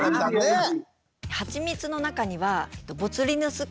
はい。